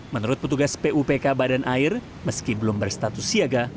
menurut petugas pupk badan air meski belum berstatus siaga